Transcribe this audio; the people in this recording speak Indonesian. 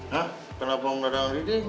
hah kenapa om dedang sama diding